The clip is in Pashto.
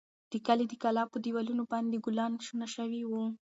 د کلي د کلا په دېوالونو باندې ګلان شنه شوي وو.